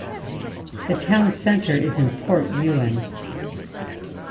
The town center is in Port Ewen.